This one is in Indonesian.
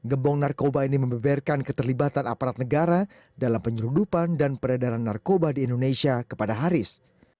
gembong narkoba ini membeberkan keterlibatan aparat negara dalam penyeludupan dan peredaran narkoba di indonesia kepada haris